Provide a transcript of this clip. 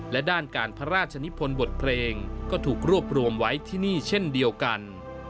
และด้านการพระราชนิพลบทเพลงก็ถูกรวบรวมไว้ที่นี่เช่นเดียวกัน